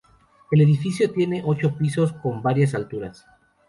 El edificio tiene ocho pisos con varias alturas.